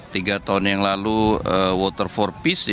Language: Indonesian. tiga tahun yang lalu water for peace